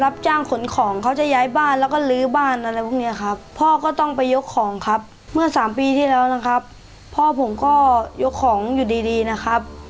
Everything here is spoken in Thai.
จ้างขนของเขาจะย้ายบ้านแล้วก็ลื้อบ้านอะไรพวกเนี้ยครับพ่อก็ต้องไปยกของครับเมื่อสามปีที่แล้วนะครับพ่อผมก็ยกของอยู่ดีดีนะครับ